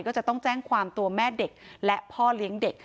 ก็จะต้องแจ้งความตัวแม่เด็กและพ่อเลี้ยงเด็ก